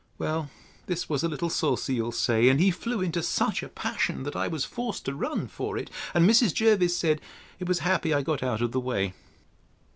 Well, this was a little saucy, you'll say—And he flew into such a passion, that I was forced to run for it; and Mrs. Jervis said, It was happy I got out of the way.